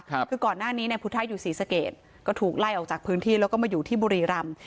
คือก่อนหน้านี้ในพุทธะอยู่ศรีสะเกดก็ถูกไล่ออกจากพื้นที่แล้วก็มาอยู่ที่บุรีรำ